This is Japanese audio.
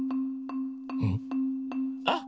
うん？あっ。